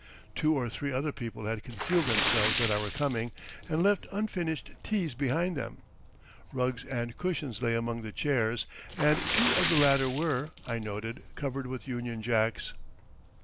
Two or three other people had concealed themselves at our coming and left unfinished teas behind them. Rugs and cushions lay among the chairs, and two of the latter were, I noted, covered with Union Jacks.